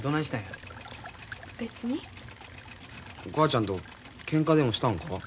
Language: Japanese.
お母ちゃんとけんかでもしたんか？